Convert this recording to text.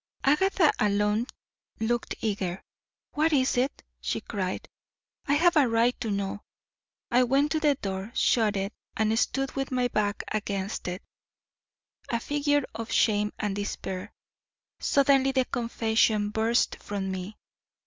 Agatha alone looked eager. "What is it?" she cried. "I have a right to know." I went to the door, shut it, and stood with my back against it, a figure of shame and despair; suddenly the confession burst from me.